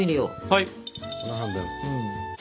はい。